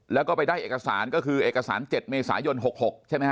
แล้วก็ไปได้เอกสารก็คือเอกสาร๗เมษายน๖๖ใช่ไหมฮ